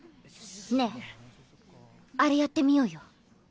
ねえあれやってみようよ。